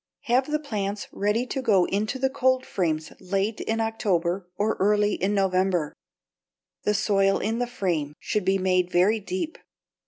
Have the plants ready to go into the cold frames late in October or early in November. The soil in the frame should be made very deep.